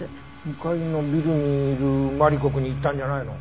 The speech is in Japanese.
向かいのビルにいるマリコくんに言ったんじゃないの？